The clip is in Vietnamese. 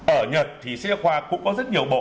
ở nhật thì sách giáo khoa cũng có rất nhiều bộ